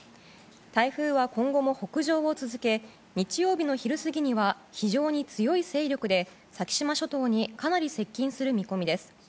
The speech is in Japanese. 台風は今後も北上を続け日曜日の昼過ぎには非常に強い勢力で先島諸島にかなり接近する見込みです。